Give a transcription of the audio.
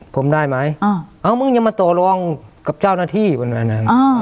ผมได้ไหมอ้าวอ้าวมึงยังมาตัวร้องกับเจ้าหน้าที่อ๋อผมว่า